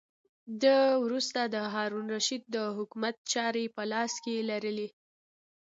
ده وروسته د هارون الرشید د حکومت چارې په لاس کې لرلې.